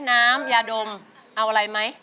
น้ำยาดมเอาอะไรไหม